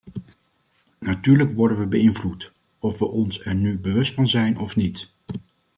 Natuurlijk worden we beïnvloed, of we ons er nu bewust van zijn of niet.